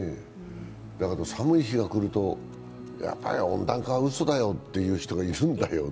寒い日が来ると、やっぱり温暖化はうそだよと言う人がいるんだよね。